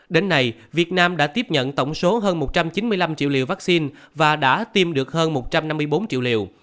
đến nay việt nam đã tiếp nhận tổng số hơn một trăm chín mươi năm triệu liều vaccine và đã tiêm được hơn một trăm năm mươi bốn triệu liều